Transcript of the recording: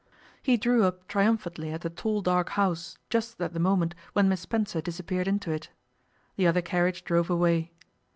He drew up triumphantly at the tall dark house just at the moment when Miss Spencer disappeared into it. The other carriage drove away.